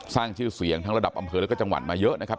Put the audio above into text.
สร้างชื่อเสียงทั้งระดับอำเภอแล้วก็จังหวัดมาเยอะนะครับ